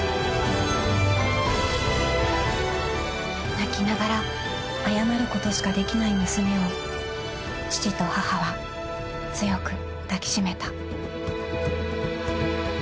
［泣きながら謝ることしかできない娘を父と母は強く抱き締めた］